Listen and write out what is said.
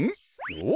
おっ？